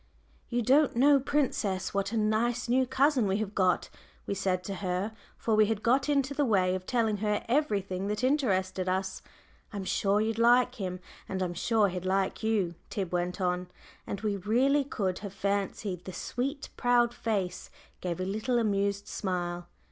"You don't know, princess, what a nice new cousin we have got," we said to her, for we had got into the way of telling her everything that interested us; "I'm sure you'd like him, and I'm sure he'd like you," Tib went on, and we really could have fancied the sweet, proud face gave a little amused smile.